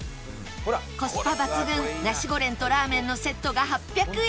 コスパ抜群ナシゴレンとラーメンのセットが８００円